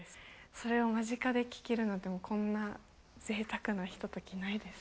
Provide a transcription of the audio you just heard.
それを間近で聴けるなんてもうこんなぜいたくなひとときないです